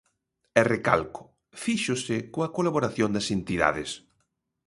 E recalco, fíxose coa colaboración das entidades.